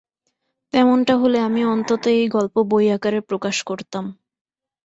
তেমনটা হলে আমি অন্তত এই গল্প বই আকারে প্রকাশ করতাম।